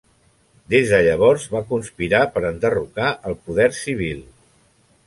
Des de llavors va conspirar per enderrocar el poder civil.